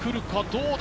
どうだ？